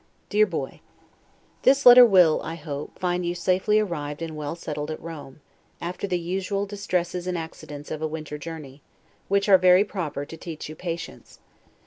DEAR Boy: This letter will, I hope, find you safely arrived and well settled at Rome, after the usual distresses and accidents of a winter journey; which are very proper to teach you patience.